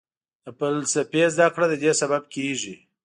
د فلسفې زده کړه ددې سبب کېږي.